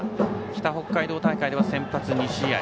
北北海道大会では先発２試合。